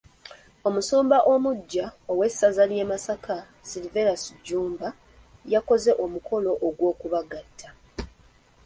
Omusumba omuggya ow'essaza ly'e Masaka, Serverus Jjumba y'akoze omukolo ogw'okubagatta.